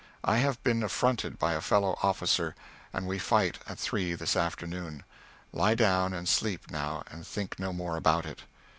I have been affronted by a fellow officer, and we fight at three this afternoon. Lie down and sleep, now, and think no more about it."